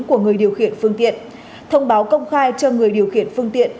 của người điều khiển phương tiện thông báo công khai cho người điều khiển phương tiện